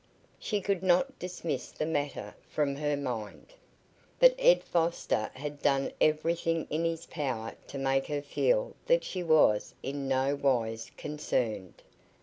She could not dismiss the matter from her mind. But Ed Foster had done everything in his power to make her feel that she was in no wise concerned.